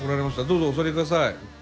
どうぞお座りください。